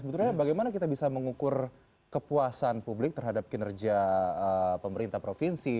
sebetulnya bagaimana kita bisa mengukur kepuasan publik terhadap kinerja pemerintah provinsi